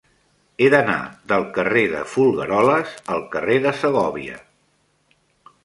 He d'anar del carrer de Folgueroles al carrer de Segòvia.